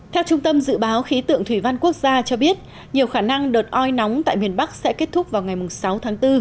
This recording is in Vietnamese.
theo trung tâm dự báo khí tượng thủy văn quốc gia cho biết nhiều khả năng đợt oi nóng tại miền bắc sẽ kết thúc vào ngày sáu tháng bốn